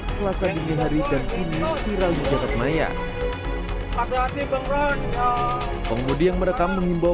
selasa dunia hari dan kini viral di jakarta maya agar di pengguna yang merekam mengimbau